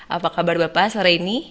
apa kabar bapak sore ini